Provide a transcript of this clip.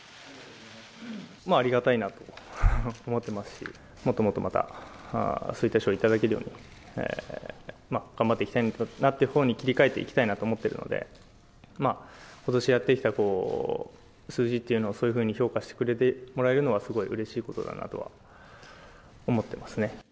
ありがたいなと思ってますし、もっともっとまた、そういった賞を頂けるように、頑張っていきたいなっていうほうに切り替えていきたいなと思っているので、ことしやってきた数字っていうのを、そういうふうに評価してくれてもらえるのはすごいうれしいことだなとは思ってますね。